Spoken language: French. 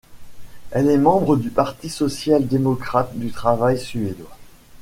Elle est membre du Parti social-démocrate du travail suédois.